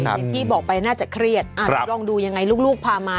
ครับที่บอกไปน่าจะเครียดครับอ้าวลองดูยังไงลูกพามา